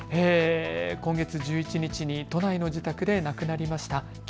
今月１１日に都内の自宅で亡くなりました。